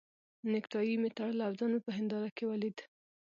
نېکټایي مې تړله او ځان مې په هنداره کې ولید.